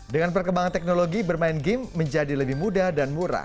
dengan perkembangan teknologi bermain game menjadi lebih mudah dan murah